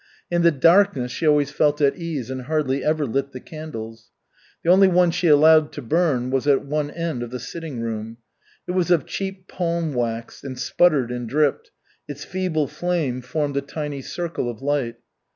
In the darkness she always felt at ease and hardly ever lit the candles. The only one she allowed to burn was at one end of the sitting room. It was of cheap palm wax, and sputtered and dripped, its feeble flame formed a tiny circle of light.